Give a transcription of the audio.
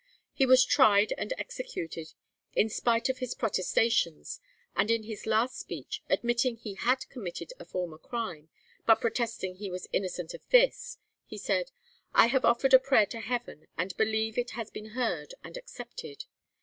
He was tried, and executed, in spite of his protestations; and in his last speech, admitting he had committed a former crime, but protesting he was innocent of this, he said: 'I have offered a prayer to Heaven, and believe it has been heard and accepted.